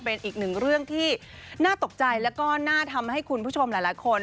เป็นอีกหนึ่งเรื่องที่น่าตกใจแล้วก็น่าทำให้คุณผู้ชมหลายคน